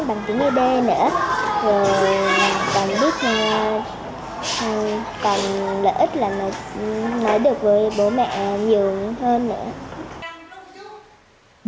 ấy đê nữa rồi còn biết còn lợi ích là nói được với bố mẹ nhiều hơn nữa